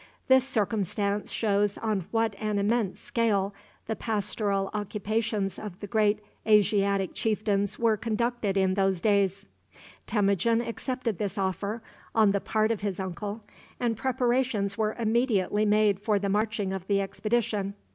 This circumstance shows on what an immense scale the pastoral occupations of the great Asiatic chieftains were conducted in those days. Temujin accepted this offer on the part of his uncle, and preparations were immediately made for the marching of the expedition.